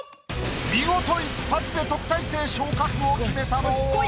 見事一発で特待生昇格を決めたのは。